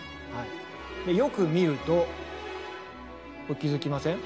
よく見ると気付きません？